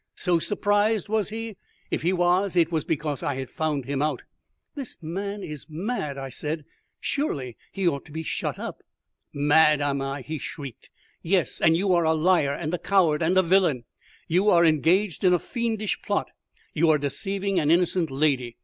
"So surprised, was he? If he was, it was because I had found him out." "This man is mad," I said. "Surely he ought to be shut up." "Mad, am I?" he shrieked. "Yes, and you are a liar, a coward, a villain! You are engaged in a fiendish plot; you are deceiving an innocent lady.